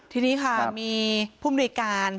ทีนี้ค่ะมีผู้มีริการสำนักงานคุมประพฤติ